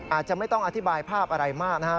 อาจจะไม่ต้องอธิบายภาพอะไรมากนะครับ